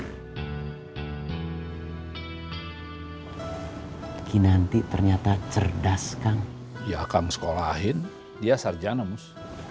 bukan lo yang mel guarantees